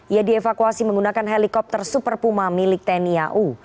ia dievakuasi menggunakan helikopter super puma milik tni au